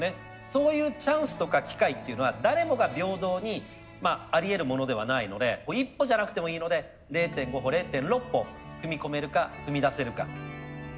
そういうチャンスとか機会っていうのは誰もが平等にまあありえるものではないので一歩じゃなくてもいいので０．５歩０．６歩踏み込めるか踏み出せるか。